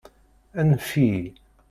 Anef-iyi!